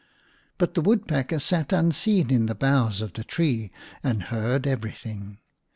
But the Woodpecker sat unseen in the boughs of the tree and heard everything.